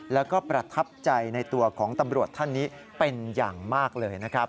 แล้วก็ประทับใจในตัวของตำรวจท่านนี้เป็นอย่างมากเลยนะครับ